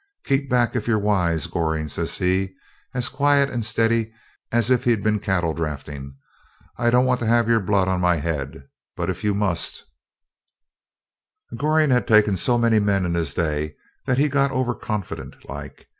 'Keep back if you're wise, Goring,' says he, as quiet and steady as if he'd been cattle drafting. 'I don't want to have your blood on my head; but if you must ' Goring had taken so many men in his day that he was got over confident like.